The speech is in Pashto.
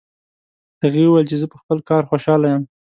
هغې وویل چې زه په خپل کار خوشحاله یم